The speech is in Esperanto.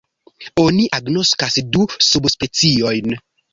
Oni agnoskas du subspeciojn.